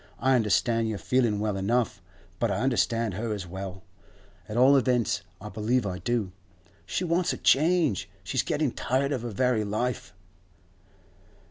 I understand your feeling well enough, but I understand her as well; at all events, I believe I do. She wants a change; she's getting tired of her very life.